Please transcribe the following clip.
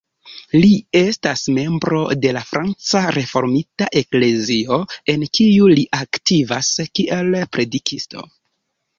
Li estas membro de la Franca Reformita Eklezio, en kiu li aktivas kiel predikisto.